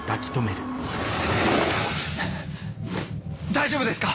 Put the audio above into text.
大丈夫ですか？